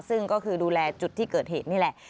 ซึ่งก็คือดูแลจุดที่เกิดเหตุนี่แหละ